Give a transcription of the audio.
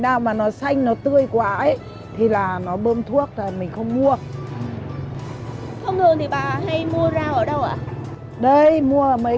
làm rau quen làm giúp anh em